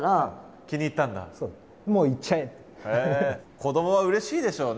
子どもはうれしいでしょうね。